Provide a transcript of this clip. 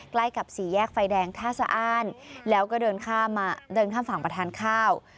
ใกล้กับสี่แยกไฟแดงท่าสะอ้านแล้วก็เดินข้ามฝั่งประทานข้าว